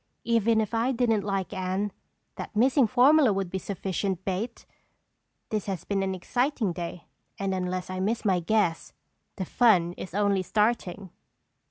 "Even if I didn't like Anne, that missing formula would be sufficient bait! This has been an exciting day and unless I miss my guess the fun is only starting!"